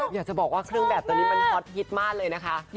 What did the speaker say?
อยากจะบอกว่าเครื่องแบบตัวนี้มันฮอตฮิตมากเลยนะคะ